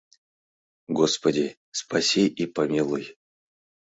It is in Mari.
Господи, спаси и помилуй...